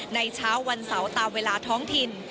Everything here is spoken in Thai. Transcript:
เช้าวันเสาร์ตามเวลาท้องถิ่น